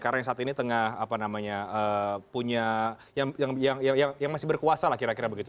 karena saat ini tengah apa namanya punya yang masih berkuasa lah kira kira begitu